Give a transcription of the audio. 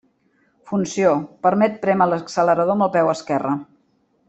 Funció: permet prémer l'accelerador amb el peu esquerre.